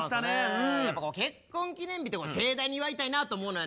やっぱ結婚記念日とか盛大に祝いたいなと思うのよね。